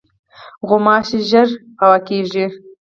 غوماشې ژر الوزي.